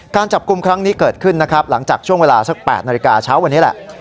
การจับกุมครั้งนี้เกิดขึ้นหลังจาก๘นาฬิกาเช้าวันนี้แหละ